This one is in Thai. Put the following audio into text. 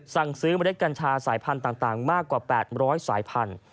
สั่งซื้อเมล็ดกัญชาสายพันธุ์ต่างมากกว่า๘๐๐สายพันธุ